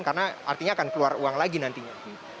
karena artinya akan keluar uang lagi nantinya